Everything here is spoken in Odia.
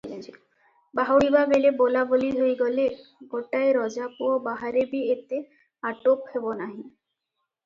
ବାହୁଡ଼ିବା ବେଳେ ବୋଲାବୋଲି ହୋଇ ଗଲେ, ଗୋଟାଏ ରଜାପୁଅ ବାହାରେ ବି ଏତେ ଆଟୋପ ହେବ ନାହିଁ ।